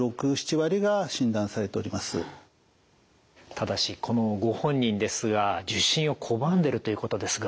ただしこのご本人ですが受診を拒んでるということですが。